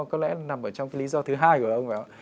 có lẽ nằm trong lý do thứ hai của ông